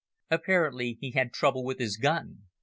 Apparently he had trouble with his gun.